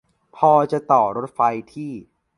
พอจะต่อรถไฟที่